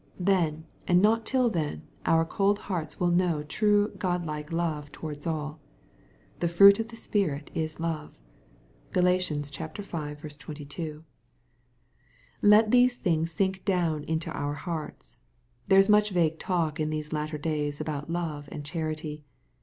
Then, and not till then, our cold hearts will know true God like love towards all. " The fruit of the Spirit is love.'' (Galat. v. 22.) Let these things sink down into our hearts. There is much vague talk in these latter days about love and charity.